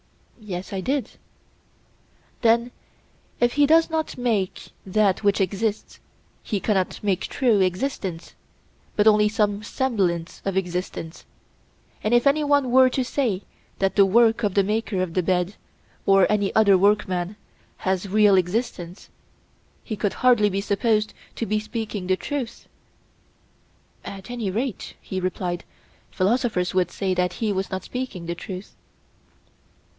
Yes, I did. Then if he does not make that which exists he cannot make true existence, but only some semblance of existence; and if any one were to say that the work of the maker of the bed, or of any other workman, has real existence, he could hardly be supposed to be speaking the truth. At any rate, he replied, philosophers would say that he was not speaking the truth.